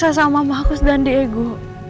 dia itu disiksa sama mama aku dan diego